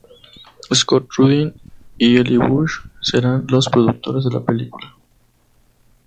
Scott Rudin y Eli Bush serán los productores de la película.